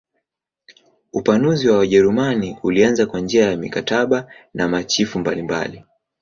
Upanuzi wa Wajerumani ulianza kwa njia ya mikataba na machifu mbalimbali.